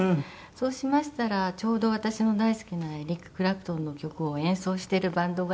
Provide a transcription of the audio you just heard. そうしましたらちょうど私の大好きなエリック・クラプトンの曲を演奏しているバンドがいまして。